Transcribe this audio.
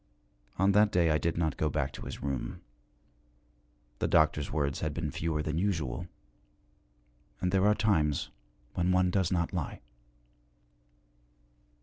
On that day I did not go back to his room. The doctor's words had been fewer than usual, and there are times when one does not lie.